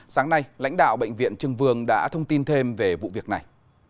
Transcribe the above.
sáng nay lãnh đạo bệnh viện trưng vương đã thông tin thêm về vụ việc này